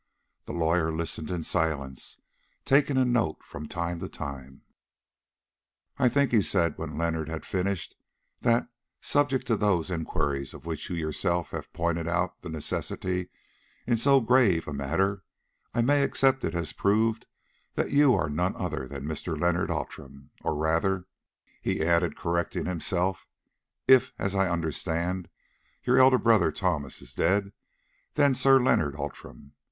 The lawyer listened in silence, taking a note from time to time. "I think," he said when Leonard had finished, "that, subject to those inquiries of which you yourself have pointed out the necessity in so grave a matter, I may accept it as proved that you are none other than Mr. Leonard Outram, or rather," he added, correcting himself, "if, as I understand, your elder brother Thomas is dead, than Sir Leonard Outram.